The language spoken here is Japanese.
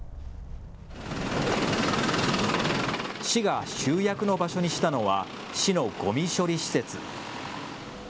市が集約の場所にしたのは市のごみ処理施設。